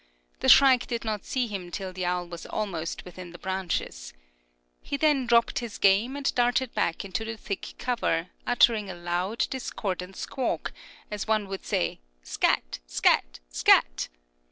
The shrike did not see him till the owl was almost within the branches. He then dropped his game, and darted back into the thick cover, uttering a loud, discordant squawk, as one would say, "Scat! scat! scat!"